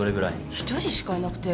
１人しかいなくて。